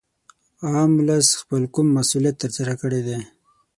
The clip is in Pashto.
عام ولس خپل کوم مسولیت تر سره کړی دی